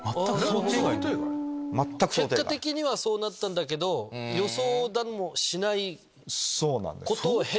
結果的にはそうなったんだけど予想だにしないことを経て。